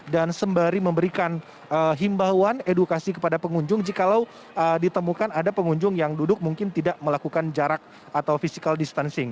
dan sembari memberikan himbauan edukasi kepada pengunjung jikalau ditemukan ada pengunjung yang duduk mungkin tidak melakukan jarak atau physical distancing